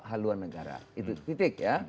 halilandara itu titik ya